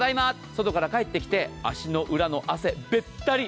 外から帰って来て足の裏の汗、べったり。